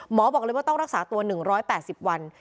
บอกเลยว่าต้องรักษาตัว๑๘๐วัน